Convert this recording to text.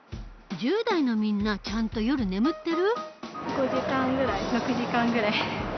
１０代のみんなちゃんと夜眠ってる？